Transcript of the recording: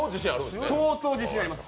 相当自信あります。